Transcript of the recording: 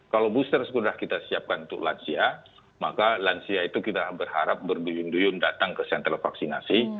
kalau booster sudah kita siapkan untuk lansia maka lansia itu kita berharap berduyun duyun datang ke sentra vaksinasi